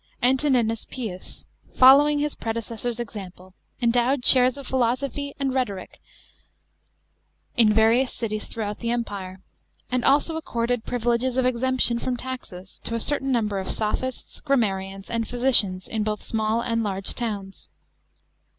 Antoninus Pius, following his predecessor's example, endowed chairs of philosophy and rhetoric in various cities throughout the Empire; and also accorded privileges of exemption from taxes to a certain number of sophists, grammarians, and physicians in both small and large towns.